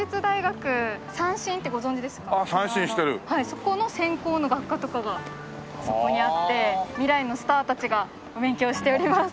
そこの専攻の学科とかがそこにあって未来のスターたちがお勉強しております。